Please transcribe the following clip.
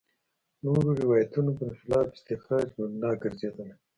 نورو روایتونو برخلاف استخراج مبنا ګرځېدلي.